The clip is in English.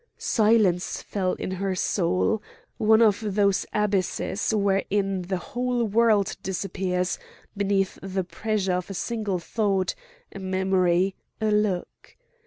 Silence fell in her soul,—one of those abysses wherein the whole world disappears beneath the pressure of a single thought, a memory, a look.